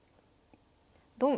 ドン。